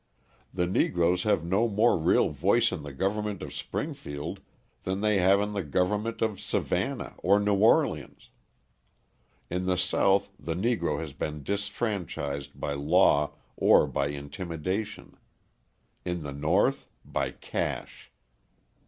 The Negroes have no more real voice in the government of Springfield than they have in the government of Savannah or New Orleans. In the South the Negro has been disfranchised by law or by intimidation: in the North by cash.